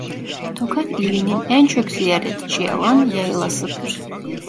Tokat ilinin en çok ziyaretçi alan yaylasıdır.